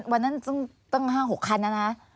วันนั้นตั้ง๕๖คันนะนะ